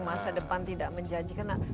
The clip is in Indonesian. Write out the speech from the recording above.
masa depan tidak menjanjikan